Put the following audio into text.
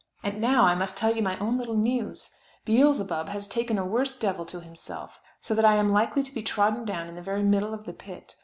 And now I must tell you my own little news. Beelzebub has taken a worse devil to himself, so that I am likely to be trodden down into the very middle of the pit.